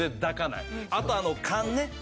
あと缶ね。